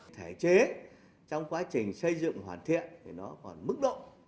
thể chế trong quá trình xây dựng hoàn thiện thì nó còn mức độ